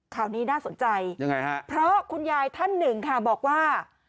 ข่าวนี้น่าสนใจยังไงฮะเพราะคุณยายท่านหนึ่งค่ะบอกว่า